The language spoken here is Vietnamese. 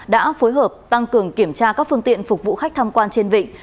đã phối hợp tăng cường kiểm tra các phương tiện phục vụ khách tham quan trên vịnh